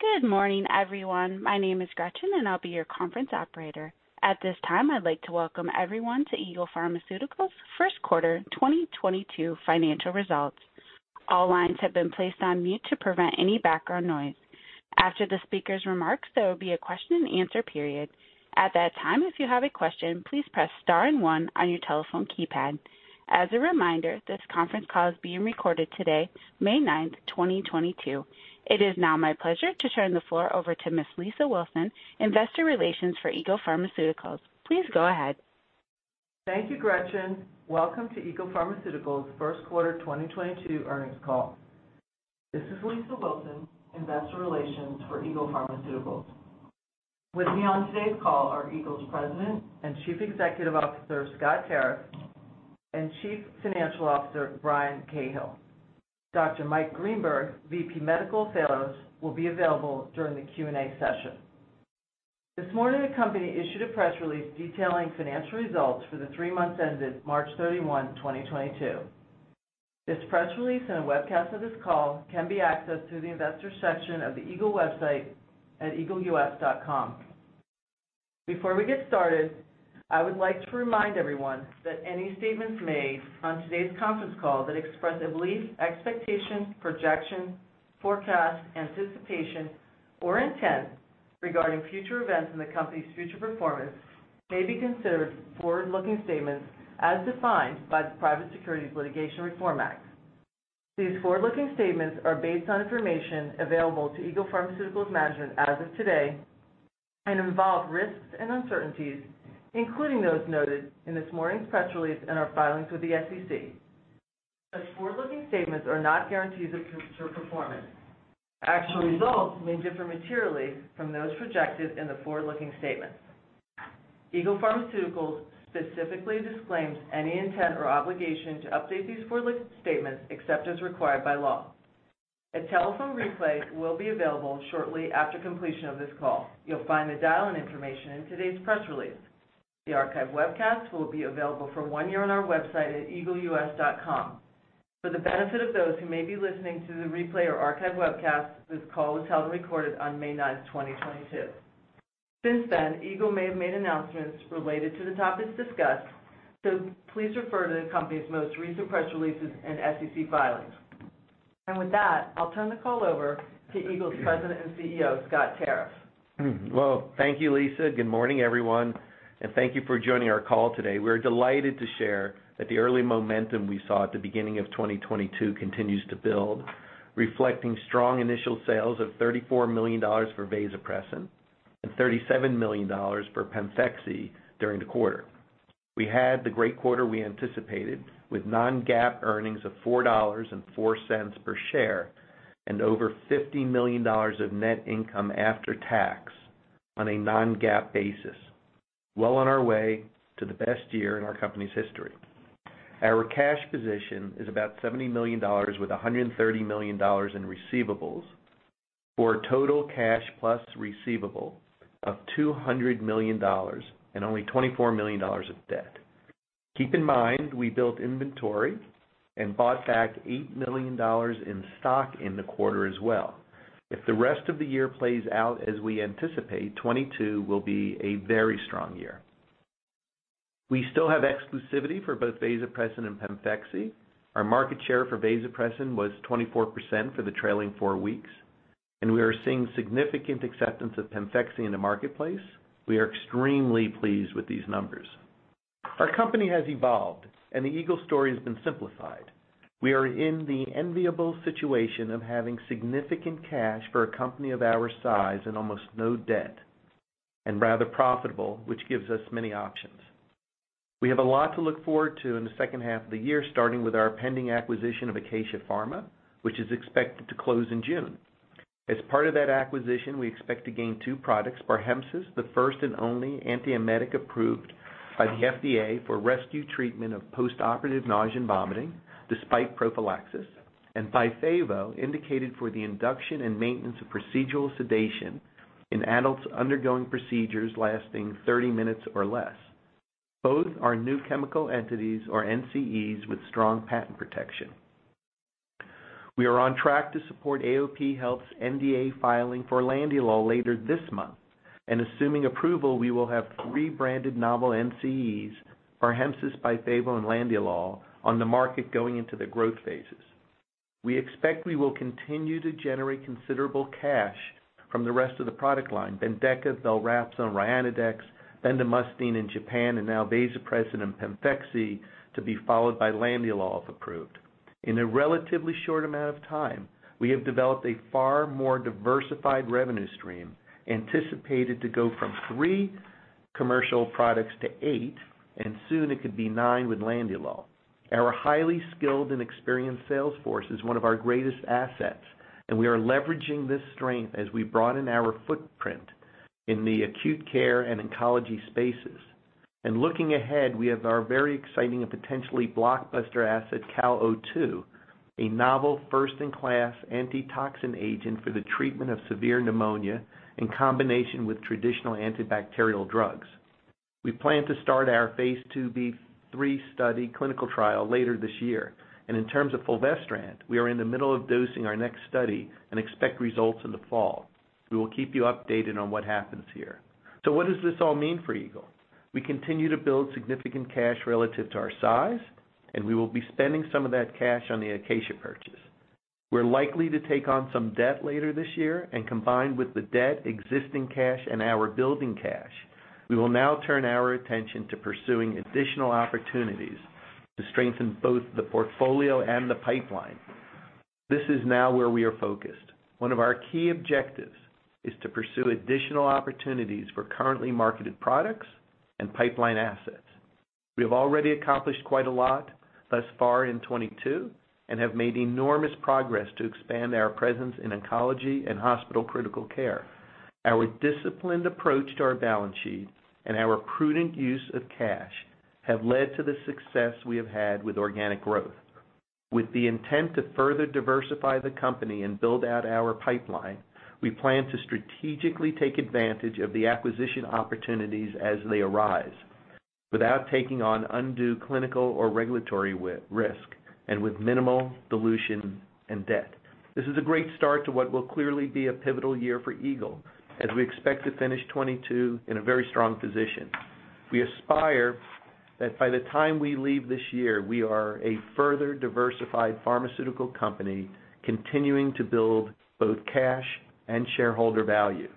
Good morning, everyone. My name is Gretchen, and I'll be your conference operator. At this time, I'd like to welcome everyone to Eagle Pharmaceuticals first quarter 2022 financial results. All lines have been placed on mute to prevent any background noise. After the speaker's remarks, there will be a question and answer period. At that time, if you have a question, please press star and one on your telephone keypad. As a reminder, this conference call is being recorded today, May 9, 2022. It is now my pleasure to turn the floor over to Ms. Lisa Wilson, investor relations for Eagle Pharmaceuticals. Please go ahead. Thank you, Gretchen. Welcome to Eagle Pharmaceuticals first quarter 2022 earnings call. This is Lisa Wilson, investor relations for Eagle Pharmaceuticals. With me on today's call are Eagle's President and Chief Executive Officer, Scott Tarriff, and Chief Financial Officer, Brian Cahill. Dr. Mike Greenberg, VP, Medical Affairs, will be available during the Q&A session. This morning, the company issued a press release detailing financial results for the three months ended March 31, 2022. This press release and a webcast of this call can be accessed through the investors section of the Eagle website at eagleus.com. Before we get started, I would like to remind everyone that any statements made on today's conference call that express a belief, expectation, projection, forecast, anticipation, or intent regarding future events in the company's future performance may be considered forward-looking statements as defined by the Private Securities Litigation Reform Act. These forward-looking statements are based on information available to Eagle Pharmaceuticals management as of today and involve risks and uncertainties, including those noted in this morning's press release and our filings with the SEC. Such forward-looking statements are not guarantees of future performance. Actual results may differ materially from those projected in the forward-looking statements. Eagle Pharmaceuticals specifically disclaims any intent or obligation to update these forward-looking statements except as required by law. A telephone replay will be available shortly after completion of this call. You'll find the dial-in information in today's press release. The archive webcast will be available for one year on our website at eagleus.com. For the benefit of those who may be listening to the replay or archive webcast, this call was held and recorded on May ninth, twenty-twenty-two. Since then, Eagle may have made announcements related to the topics discussed, so please refer to the company's most recent press releases and SEC filings. With that, I'll turn the call over to Eagle's President and CEO, Scott Tarriff. Well, thank you, Lisa. Good morning, everyone, and thank you for joining our call today. We're delighted to share that the early momentum we saw at the beginning of 2022 continues to build, reflecting strong initial sales of $34 million for vasopressin and $37 million for PEMFEXY during the quarter. We had a great quarter we anticipated with non-GAAP earnings of $4.04 per share and over $50 million of net income after tax on a non-GAAP basis. Well on our way to the best year in our company's history. Our cash position is about $70 million with $130 million in receivables for a total cash plus receivable of $200 million and only $24 million of debt. Keep in mind, we built inventory and bought back $8 million in stock in the quarter as well. If the rest of the year plays out as we anticipate, 2022 will be a very strong year. We still have exclusivity for both vasopressin and PEMFEXY. Our market share for vasopressin was 24% for the trailing four weeks, and we are seeing significant acceptance of PEMFEXY in the marketplace. We are extremely pleased with these numbers. Our company has evolved, and the Eagle story has been simplified. We are in the enviable situation of having significant cash for a company of our size and almost no debt, and rather profitable, which gives us many options. We have a lot to look forward to in the second half of the year, starting with our pending acquisition of Acacia Pharma, which is expected to close in June. As part of that acquisition, we expect to gain two products, Barhemsys, the first and only antiemetic approved by the FDA for rescue treatment of postoperative nausea and vomiting despite prophylaxis, and Byfavo, indicated for the induction and maintenance of procedural sedation in adults undergoing procedures lasting 30 minutes or less. Both are new chemical entities or NCEs with strong patent protection. We are on track to support AOP Health's NDA filing for Landiolol later this month. Assuming approval, we will have three branded novel NCEs, Barhemsys, Byfavo, and Landiolol on the market going into the growth phases. We expect we will continue to generate considerable cash from the rest of the product line, Bendeka, Belrapzo, Ryanodex, Bendamustine in Japan, and now vasopressin and Pemfexy, to be followed by Landiolol if approved. In a relatively short amount of time, we have developed a far more diversified revenue stream, anticipated to go from three commercial products to eight, and soon it could be nine with Landiolol. Our highly skilled and experienced sales force is one of our greatest assets, and we are leveraging this strength as we broaden our footprint in the acute care and oncology spaces. Looking ahead, we have our very exciting and potentially blockbuster asset, CAL02, a novel first-in-class antitoxin agent for the treatment of severe pneumonia in combination with traditional antibacterial drugs. We plan to start our Phase 2b/3 study clinical trial later this year. In terms of Fulvestrant, we are in the middle of dosing our next study and expect results in the fall. We will keep you updated on what happens here. What does this all mean for Eagle? We continue to build significant cash relative to our size, and we will be spending some of that cash on the Acacia purchase. We're likely to take on some debt later this year and combined with the debt existing cash and our building cash, we will now turn our attention to pursuing additional opportunities to strengthen both the portfolio and the pipeline. This is now where we are focused. One of our key objectives is to pursue additional opportunities for currently marketed products and pipeline assets. We have already accomplished quite a lot thus far in 2022, and have made enormous progress to expand our presence in oncology and hospital critical care. Our disciplined approach to our balance sheet and our prudent use of cash have led to the success we have had with organic growth. With the intent to further diversify the company and build out our pipeline, we plan to strategically take advantage of the acquisition opportunities as they arise without taking on undue clinical or regulatory risk and with minimal dilution and debt. This is a great start to what will clearly be a pivotal year for Eagle as we expect to finish 2022 in a very strong position. We aspire that by the time we leave this year, we are a further diversified pharmaceutical company continuing to build both cash and shareholder value.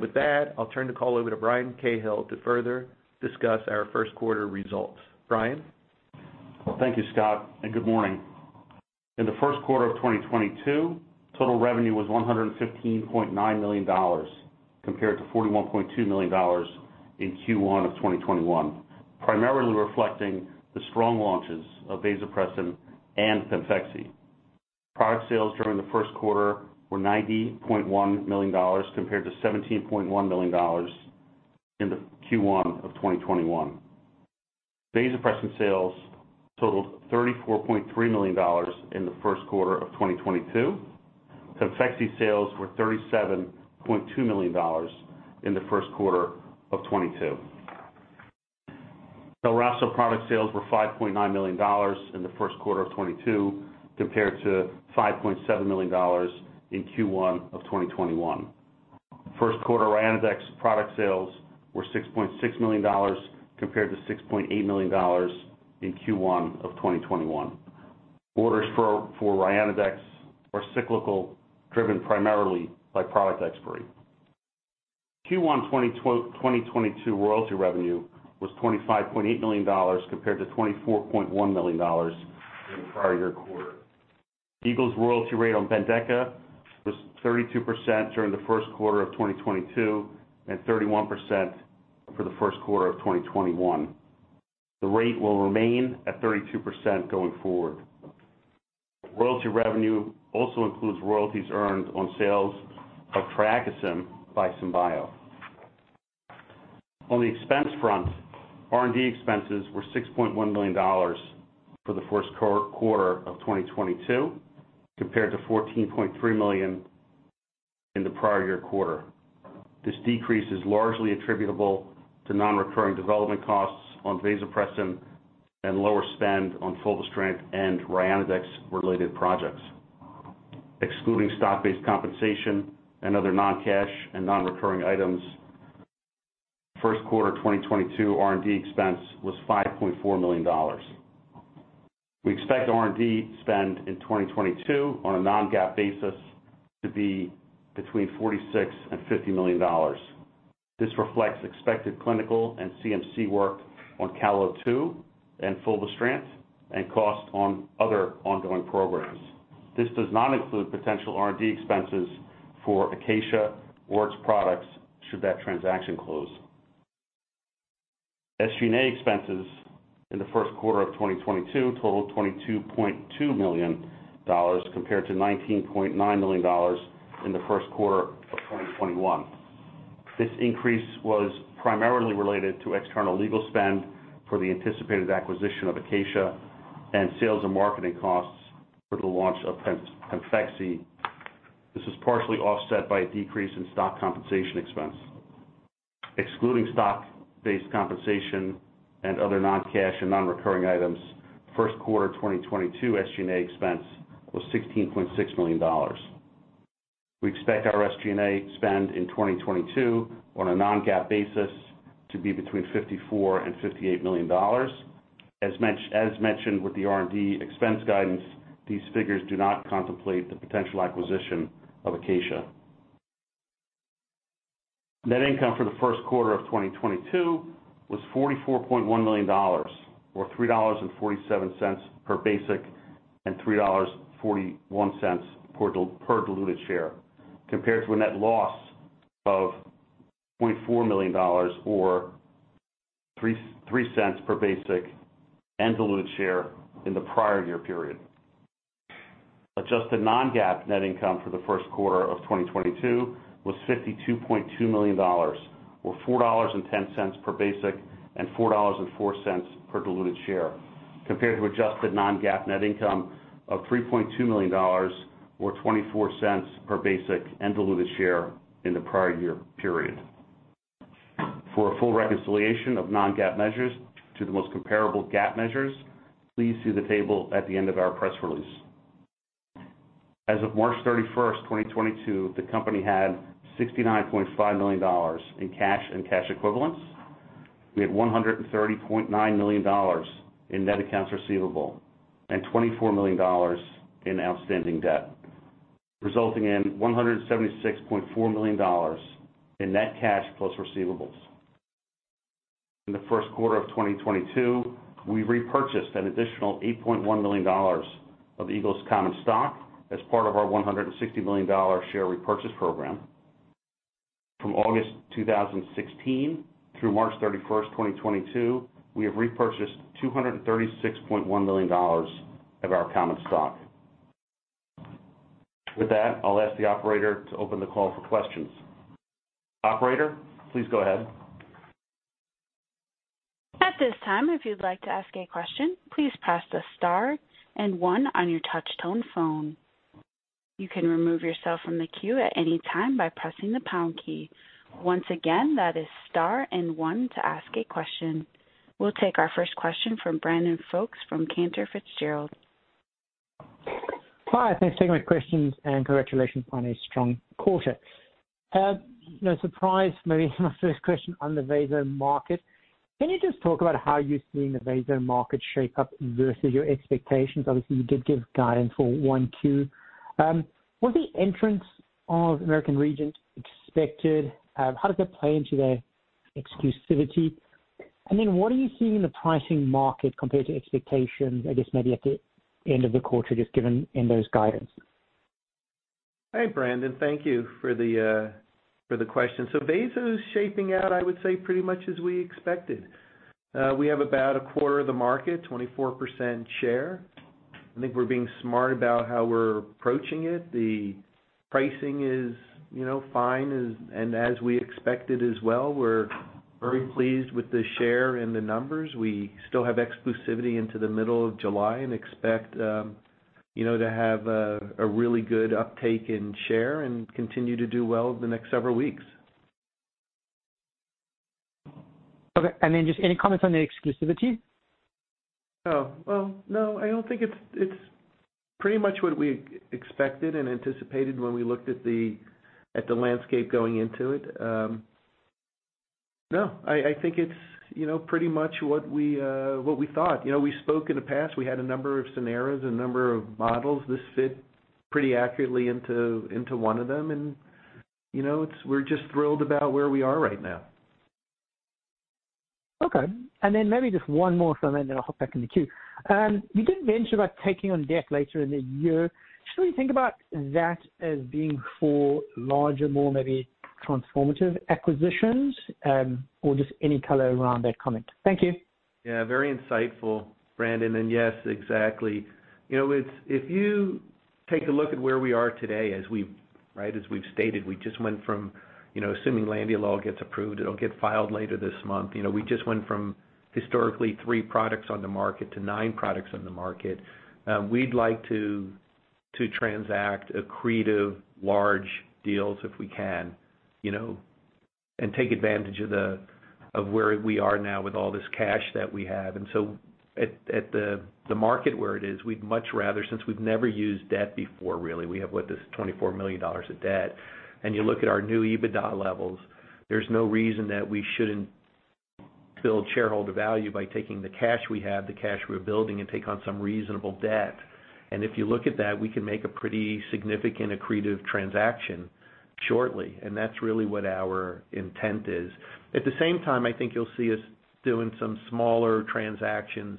With that, I'll turn the call over to Brian Cahill to further discuss our first quarter results. Brian? Well, thank you, Scott, and good morning. In the first quarter of 2022, total revenue was $115.9 million compared to $41.2 million in Q1 of 2021, primarily reflecting the strong launches of vasopressin and PEMFEXY. Product sales during the first quarter were $90.1 million compared to $17.1 million in the Q1 of 2021. Vasopressin sales totaled $34.3 million in the first quarter of 2022. PEMFEXY sales were $37.2 million in the first quarter of 2022. BELRAPZO product sales were $5.9 million in the first quarter of 2022 compared to $5.7 million in Q1 of 2021. First quarter RYANODEX product sales were $6.6 million compared to $6.8 million in Q1 of 2021. Orders for RYANODEX are cyclical, driven primarily by product expiry. Q1 2022 royalty revenue was $25.8 million compared to $24.1 million in the prior year quarter. Eagle's royalty rate on BENDEKA was 32% during the first quarter of 2022 and 31% for the first quarter of 2021. The rate will remain at 32% going forward. Royalty revenue also includes royalties earned on sales of TREAKISYM by SymBio. On the expense front, R&D expenses were $6.1 million for the first quarter of 2022 compared to $14.3 million in the prior year quarter. This decrease is largely attributable to non-recurring development costs on vasopressin and lower spend on Fulvestrant and RYANODEX related projects. Excluding stock-based compensation and other non-cash and non-recurring items, first quarter 2022 R&D expense was $5.4 million. We expect R&D spend in 2022 on a non-GAAP basis to be between $46 million and $50 million. This reflects expected clinical and CMC work on CAL02 and Fulvestrant and cost on other ongoing programs. This does not include potential R&D expenses for Acacia or its products should that transaction close. SG&A expenses in the first quarter of 2022 totaled $22.2 million compared to $19.9 million in the first quarter of 2021. This increase was primarily related to external legal spend for the anticipated acquisition of Acacia and sales and marketing costs for the launch of PEMFEXY. This is partially offset by a decrease in stock compensation expense. Excluding stock-based compensation and other non-cash and non-recurring items, first quarter 2022 SG&A expense was $16.6 million. We expect our SG&A spend in 2022 on a non-GAAP basis to be between $54 million and $58 million. As mentioned with the R&D expense guidance, these figures do not contemplate the potential acquisition of Acacia. Net income for the first quarter of 2022 was $44.1 million, or $3.47 per basic and $3.41 per diluted share, compared to a net loss of $0.4 million or 3 cents per basic and diluted share in the prior year period. Adjusted non-GAAP net income for the first quarter of 2022 was $52.2 million, or $4.10 per basic and $4.04 per diluted share. Compared to adjusted non-GAAP net income of $3.2 million or $0.24 per basic and diluted share in the prior year period. For a full reconciliation of non-GAAP measures to the most comparable GAAP measures, please see the table at the end of our press release. As of March 31, 2022, the company had $69.5 million in cash and cash equivalents. We had $130.9 million in net accounts receivable and $24 million in outstanding debt, resulting in $176.4 million in net cash plus receivables. In the first quarter of 2022, we repurchased an additional $8.1 million of Eagle's common stock as part of our $160 million share repurchase program. From August 2016 through March 31, 2022, we have repurchased $236.1 million of our common stock. With that, I'll ask the operator to open the call for questions. Operator, please go ahead. At this time, if you'd like to ask a question, please press the star and one on your touch tone phone. You can remove yourself from the queue at any time by pressing the pound key. Once again, that is star and one to ask a question. We'll take our first question from Brandon Folkes from Cantor Fitzgerald. Hi, thanks for taking my questions, and congratulations on a strong quarter. No surprise, maybe my first question on the vaso market. Can you just talk about how you've seen the vaso market shape up versus your expectations? Obviously, you did give guidance for Q1-Q2. Was the entrance of American Regent expected? How does that play into the exclusivity? And then what are you seeing in the pricing market compared to expectations, I guess maybe at the end of the quarter, just given in those guidance? Hey, Brandon, thank you for the question. Vaso is shaping out, I would say, pretty much as we expected. We have about a quarter of the market, 24% share. I think we're being smart about how we're approaching it. The pricing is, you know, fine as we expected as well. We're very pleased with the share and the numbers. We still have exclusivity into the middle of July and expect to have a really good uptake in share and continue to do well over the next several weeks. Okay. Just any comments on the exclusivity? Oh, well, no, I don't think it's pretty much what we expected and anticipated when we looked at the landscape going into it. No, I think it's, you know, pretty much what we thought. You know, we spoke in the past, we had a number of scenarios, a number of models. This fit pretty accurately into one of them and, you know, it's. We're just thrilled about where we are right now. Okay. Maybe just one more from me, then I'll hop back in the queue. You did mention about taking on debt later in the year. Should we think about that as being for larger, more maybe transformative acquisitions? Just any color around that comment. Thank you. Yeah, very insightful, Brandon. Yes, exactly. You know, it's if you take a look at where we are today as we've stated, we just went from, you know, assuming Landiolol gets approved, it'll get filed later this month. You know, we just went from historically three products on the market to nine products on the market. We'd like to transact accretive large deals if we can, you know, and take advantage of where we are now with all this cash that we have. At the market where it is, we'd much rather, since we've never used debt before, really, we have, what, this $24 million of debt. You look at our new EBITDA levels, there's no reason that we shouldn't build shareholder value by taking the cash we have, the cash we're building, and take on some reasonable debt. If you look at that, we can make a pretty significant accretive transaction shortly, and that's really what our intent is. At the same time, I think you'll see us doing some smaller transactions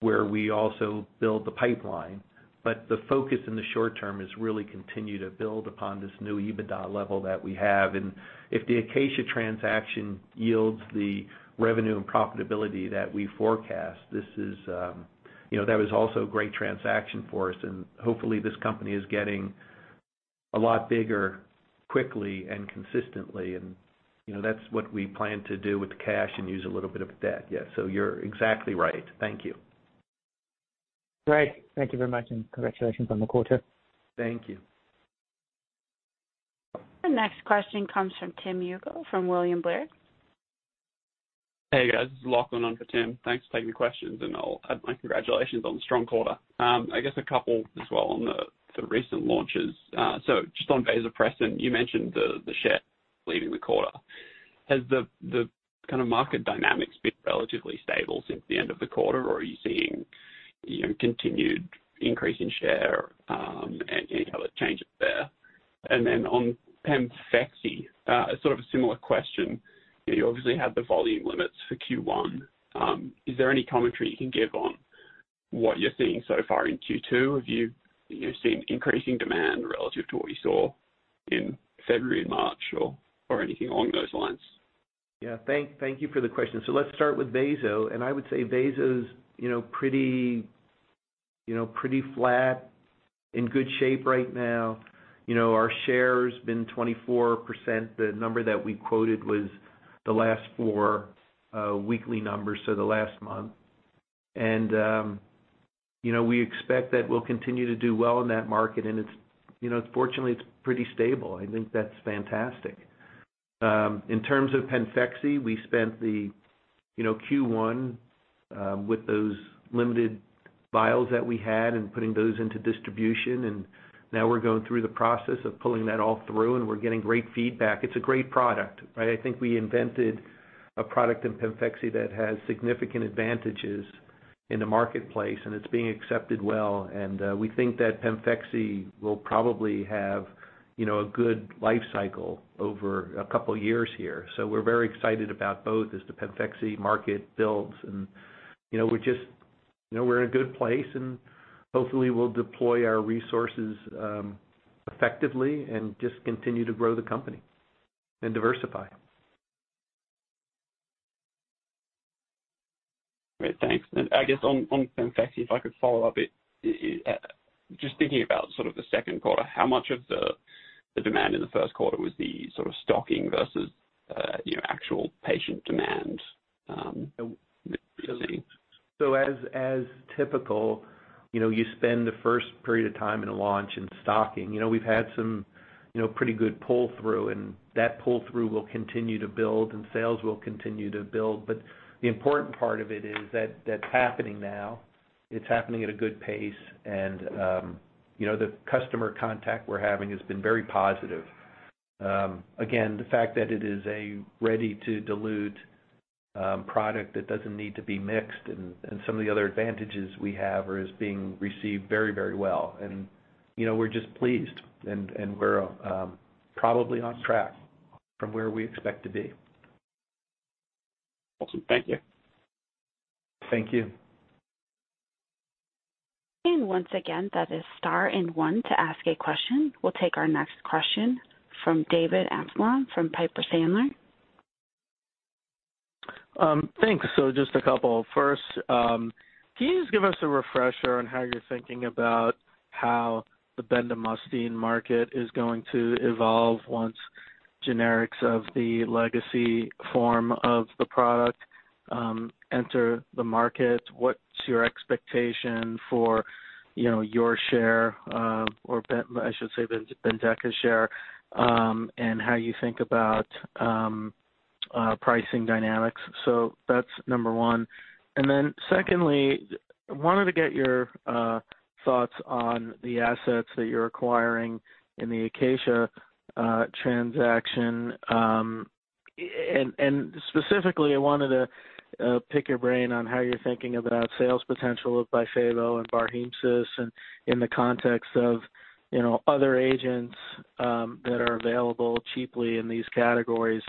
where we also build the pipeline, but the focus in the short term is really continue to build upon this new EBITDA level that we have. If the Acacia transaction yields the revenue and profitability that we forecast, this is, you know, that was also a great transaction for us and hopefully this company is getting a lot bigger quickly and consistently and, you know, that's what we plan to do with the cash and use a little bit of debt. Yes. You're exactly right. Thank you. Great. Thank you very much and congratulations on the quarter. Thank you. The next question comes from Tim Lugo from William Blair. Hey, guys, Lachlan on for Tim. Thanks for taking the questions and I'll add my congratulations on the strong quarter. I guess a couple as well on the recent launches. So just on vasopressin, you mentioned the share leading the quarter. Has the kind of market dynamics been relatively stable since the end of the quarter or are you seeing, you know, continued increase in share and how it changes there? Then on PEMFEXY, sort of a similar question. You obviously have the volume limits for Q1. Is there any commentary you can give on what you're seeing so far in Q2? Have you know, seen increasing demand relative to what you saw in February and March or anything along those lines? Yeah. Thank you for the question. Let's start with vaso. I would say vaso is, you know, pretty flat, in good shape right now. You know, our share has been 24%. The number that we quoted was the last four weekly numbers, so the last month. You know, we expect that we'll continue to do well in that market, and it's, you know, fortunately, it's pretty stable. I think that's fantastic. In terms of PEMFEXY, we spent the, you know, Q1, with those limited vials that we had and putting those into distribution, and we're going through the process of pulling that all through, and we're getting great feedback. It's a great product, right? I think we invented a product in PEMFEXY that has significant advantages in the marketplace, and it's being accepted well. We think that PEMFEXY will probably have, you know, a good life cycle over a couple of years here. We're very excited about both as the PEMFEXY market builds and, you know, we're in a good place, and hopefully, we'll deploy our resources effectively and just continue to grow the company and diversify. Great. Thanks. I guess on PEMFEXY, if I could follow up a bit. Just thinking about sort of the second quarter, how much of the demand in the first quarter was the sort of stocking versus actual patient demand that you're seeing? As typical, you know, you spend the first period of time in a launch in stocking. You know, we've had some, you know, pretty good pull-through, and that pull-through will continue to build and sales will continue to build. The important part of it is that that's happening now, it's happening at a good pace and, you know, the customer contact we're having has been very positive. Again, the fact that it is a ready-to-dilute product that doesn't need to be mixed and some of the other advantages we have are being received very, very well. You know, we're just pleased and we're probably on track from where we expect to be. Awesome. Thank you. Thank you. Once again, that is star one to ask a question. We'll take our next question from David Amsellem from Piper Sandler. Thanks. Just a couple. First, can you just give us a refresher on how you're thinking about how the bendamustine market is going to evolve once generics of the legacy form of the product, enter the market? What's your expectation for, you know, your share, or I should say BENDEKA's share, and how you think about, pricing dynamics? That's number one. Secondly, I wanted to get your thoughts on the assets that you're acquiring in the Acacia Pharma transaction. And specifically, I wanted to pick your brain on how you're thinking about sales potential of Byfavo and BARHEMSYS and in the context of, you know, other agents, that are available cheaply in these categories.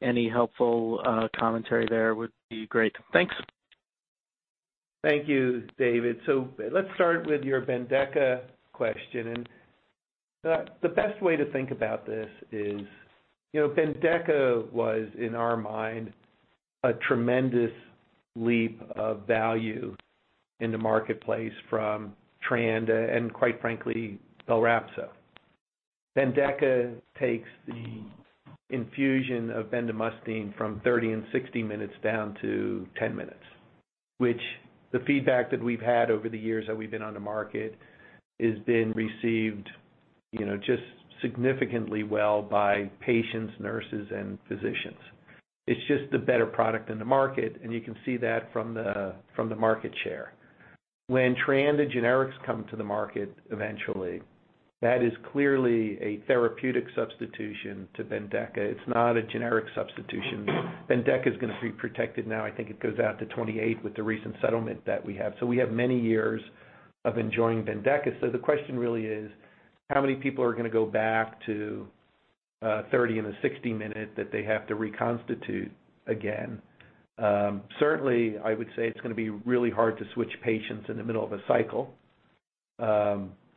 Any helpful commentary there would be great. Thanks. Thank you, David. Let's start with your BENDEKA question. The best way to think about this is, you know, BENDEKA was, in our mind, a tremendous leap of value in the marketplace from Treanda and quite frankly, BELRAPZO. BENDEKA takes the infusion of bendamustine from 30 and 60 minutes down to 10 minutes, which the feedback that we've had over the years that we've been on the market has been received, you know, just significantly well by patients, nurses, and physicians. It's just a better product in the market, and you can see that from the market share. When Treanda generics come to the market eventually, that is clearly a therapeutic substitution to BENDEKA. It's not a generic substitution. BENDEKA is gonna be protected now. I think it goes out to 28 with the recent settlement that we have. We have many years of enjoying Bendeka. The question really is, how many people are gonna go back to 30- and 60-minute that they have to reconstitute again? Certainly, I would say it's gonna be really hard to switch patients in the middle of a cycle.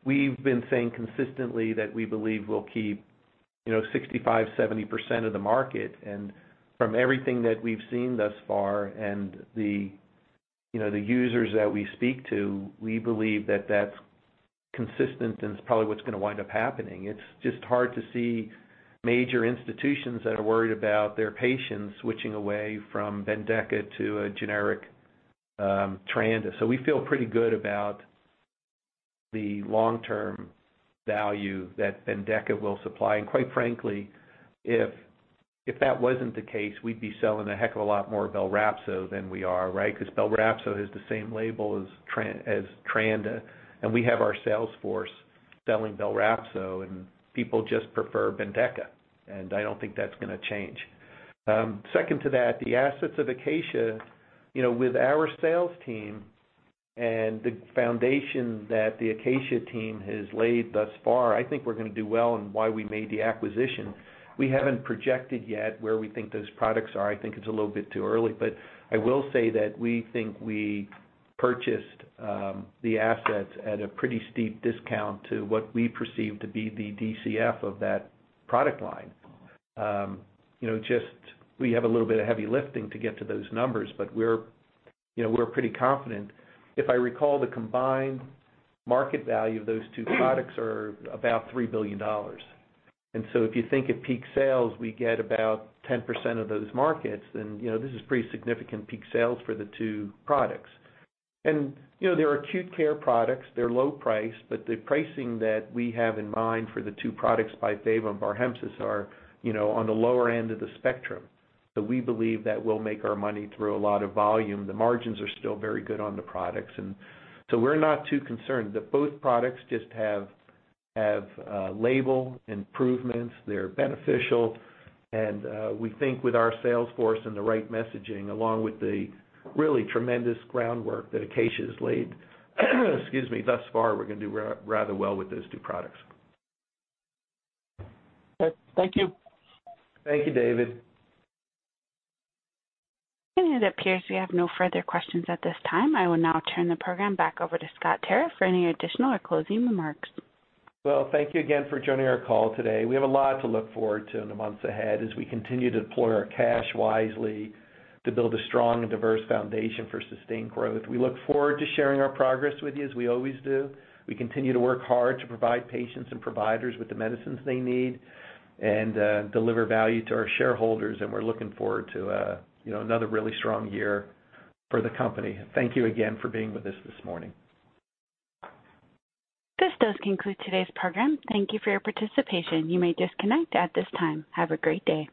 We've been saying consistently that we believe we'll keep 65%-70% of the market. From everything that we've seen thus far and the users that we speak to, we believe that that's consistent and it's probably what's gonna wind up happening. It's just hard to see major institutions that are worried about their patients switching away from Bendeka to a generic Treanda. We feel pretty good about the long-term value that Bendeka will supply. Quite frankly, if that wasn't the case, we'd be selling a heck of a lot more BELRAPZO than we are, right? Because BELRAPZO has the same label as Treanda, and we have our sales force selling BELRAPZO, and people just prefer BENDEKA. I don't think that's gonna change. Second to that, the assets of Acacia, you know, with our sales team and the foundation that the Acacia team has laid thus far, I think we're gonna do well and why we made the acquisition. We haven't projected yet where we think those products are. I think it's a little bit too early. I will say that we think we purchased the assets at a pretty steep discount to what we perceive to be the DCF of that product line. You know, just we have a little bit of heavy lifting to get to those numbers, but we're, you know, pretty confident. If I recall, the combined market value of those two products are about $3 billion. If you think at peak sales, we get about 10% of those markets, then, you know, this is pretty significant peak sales for the two products. You know, they're acute care products, they're low price, but the pricing that we have in mind for the two products Byfavo, BARHEMSYS are, you know, on the lower end of the spectrum. We believe that we'll make our money through a lot of volume. The margins are still very good on the products. We're not too concerned that both products just have label improvements, they're beneficial, and we think with our sales force and the right messaging, along with the really tremendous groundwork that Acacia has laid, excuse me, thus far, we're gonna do rather well with those two products. Okay. Thank you. Thank you, David. It appears we have no further questions at this time. I will now turn the program back over to Scott Tarriff for any additional or closing remarks. Well, thank you again for joining our call today. We have a lot to look forward to in the months ahead as we continue to deploy our cash wisely to build a strong and diverse foundation for sustained growth. We look forward to sharing our progress with you as we always do. We continue to work hard to provide patients and providers with the medicines they need and deliver value to our shareholders. We're looking forward to, you know, another really strong year for the company. Thank you again for being with us this morning. This does conclude today's program. Thank you for your participation. You may disconnect at this time. Have a great day.